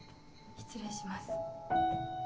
失礼します。